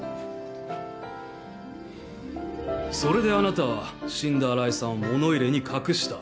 それであなたは死んだ新井さんを物入れに隠した。